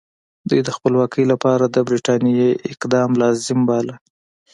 دوی د خپلواکۍ لپاره د برټانیې اقدام لازم باله.